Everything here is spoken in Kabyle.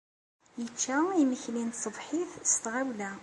Yečča imekli n tṣebḥit s tɣawla.